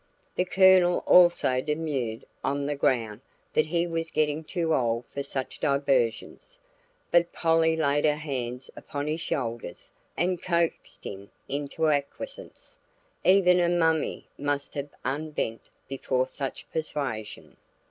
The Colonel also demurred on the ground that he was getting too old for such diversions, but Polly laid her hands upon his shoulders and coaxed him into acquiescence even a mummy must have unbent before such persuasion.